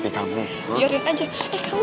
yorin aja eh kamu jangan